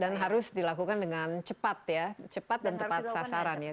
dan harus dilakukan dengan cepat ya cepat dan tepat sasaran ya